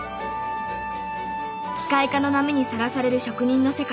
機械化の波にさらされる職人の世界。